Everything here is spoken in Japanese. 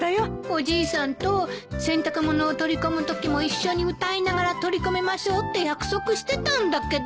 おじいさんと洗濯物を取り込むときも一緒に歌いながら取り込みましょうって約束してたんだけど。